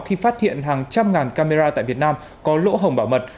khi phát hiện hàng trăm ngàn camera tại việt nam có lỗ hồng bảo mật